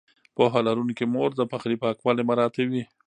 پوهه لرونکې مور د پخلي پاکوالی مراعتوي.